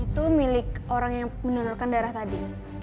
itu milik orang yang menurunkan darah tadi